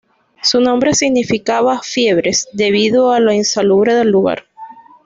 Su nombre significaba "fiebres" debido a lo insalubre del lugar.